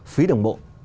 phí đường bộ